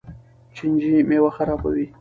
چینجي میوه خرابوي.